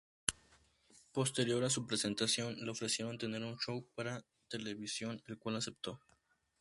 Posterior a su presentación le ofrecieron tener un show para televisión el cual aceptó.